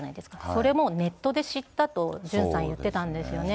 それもネットで知ったとジュンさん言ってたんですよね。